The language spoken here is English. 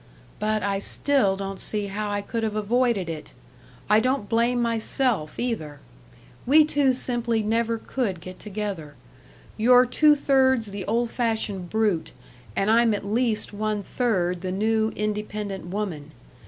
" but I still don't see how I could have avoided it. I don't blame myself, either. We two simply never could get together you're two thirds the old fashioned brute, and I'm at least one third the new, independent woman.